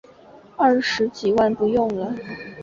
二十几万不用了